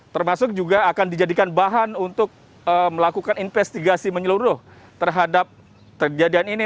termasuk juga akan dijadikan bahan untuk melakukan investigasi menyeluruh terhadap terjadian ini